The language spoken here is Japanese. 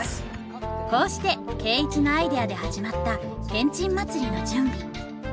こうして圭一のアイデアで始まったけんちん祭りの準備。